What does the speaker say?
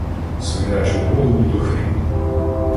Свинячу голову до хріну